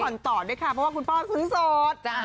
ไม่มีตังค์พอดเหมือนกันค่ะ